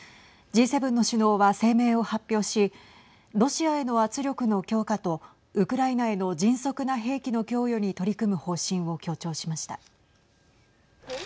Ｇ７の首脳は声明を発表しロシアへの圧力の強化とウクライナへの迅速な兵器の供与に取り組む方針を強調しました。